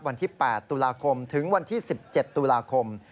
วันที่๘ตุลาคมถึงวันที่๑๗ตุลาคม